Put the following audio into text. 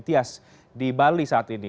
tias di bali saat ini